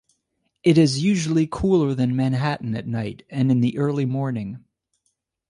It is usually cooler than Manhattan at night and in the early morning.